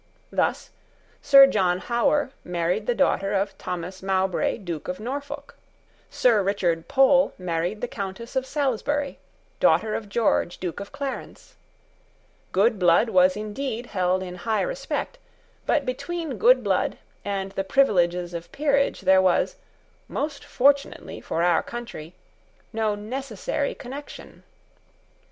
Thus, Sir John Howard married the daughter of Thomas Mowbray Duke of Norfolk. Sir Richard Pole married the Countess of Salisbury, daughter of George, Duke of Clarence. Good blood was indeed held in high respect: but between good blood and the privileges of peerage there was, most fortunately for our country, no necessary connection.